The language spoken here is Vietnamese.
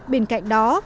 bên cạnh đó